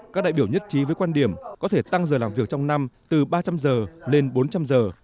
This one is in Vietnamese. các đại biểu nhất trí với quan điểm có thể tăng giờ làm việc trong năm từ ba trăm linh giờ lên bốn trăm linh giờ